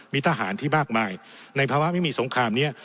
มีทหารที่มากมายในภาวะไม่มีสงครามนี้